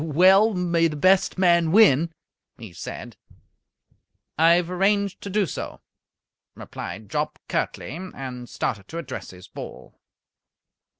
"Well, may the best man win," he said. "I have arranged to do so," replied Jopp, curtly, and started to address his ball.